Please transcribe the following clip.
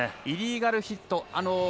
イリーガルヒット。